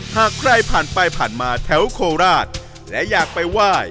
หากใครผ่านไปผ่านมาแถวโคราชและอยากไปไหว้